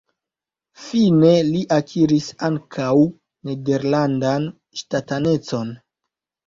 Fine li akiris ankaŭ nederlandan ŝtatanecon.